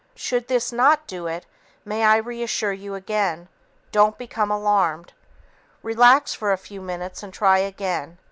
Should this not do it, may I reassure you again, DON'T BECOME ALARMED. Relax for a few minutes and try again.